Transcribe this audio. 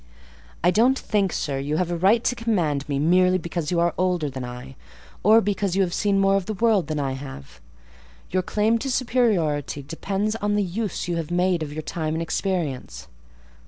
"I don't think, sir, you have a right to command me, merely because you are older than I, or because you have seen more of the world than I have; your claim to superiority depends on the use you have made of your time and experience."